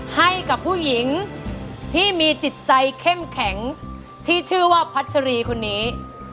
ให้กับผู้หญิงที่มีจิตใจเข้มแข็งที่ชื่อว่าพัชรีคนนี้